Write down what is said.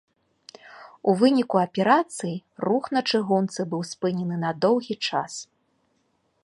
У выніку аперацыі рух на чыгунцы быў спынены на доўгі час.